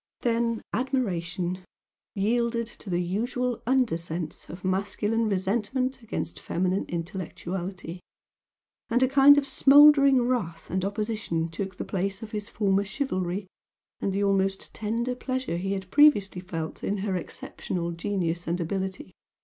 Then admiration yielded to the usual under sense of masculine resentment against feminine intellectuality, and a kind of smouldering wrath and opposition took the place of his former chivalry and the almost tender pleasure he had previously felt in her exceptional genius and ability.